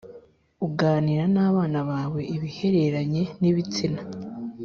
uganira n abana bawe ibihereranye n ibitsina